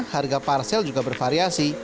harga parsel juga bervariasi